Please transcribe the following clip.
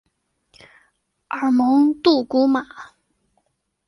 而蒙杜古马。